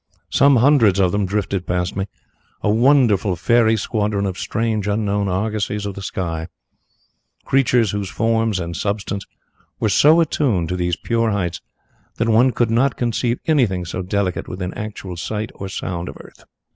Some hundreds of them drifted past me, a wonderful fairy squadron of strange unknown argosies of the sky creatures whose forms and substance were so attuned to these pure heights that one could not conceive anything so delicate within actual sight or sound of earth.